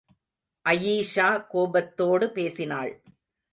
அயீஷா கோபத்தோடு பேசினாள்.